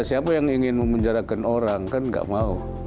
siapa yang ingin memenjarakan orang kan gak mau